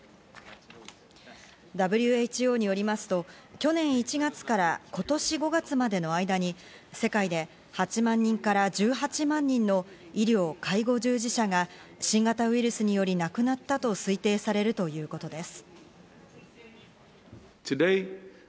ＷＨＯによりますと、去年１月から今年５月までの間に世界で８万人から１８万人の医療・介護従事者が新型ウイルスにより亡くなったと推定されるということです。